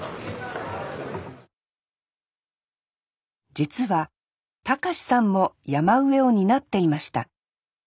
実は隆志さんも曳山上を担っていました。